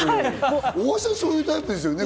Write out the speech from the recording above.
大橋さん、そういうタイプですよね。